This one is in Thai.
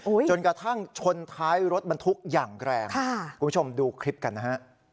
จนกระทั่งชนท้ายรถบรรทุกอย่างแรงค่ะคุณผู้ชมดูคลิปกันนะฮะ